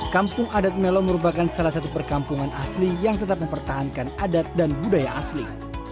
kampung adat melo merupakan salah satu perkampungan asli yang tetap mempertahankan adat dan budaya asli